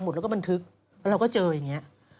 เราก็เจออย่างเนี่ย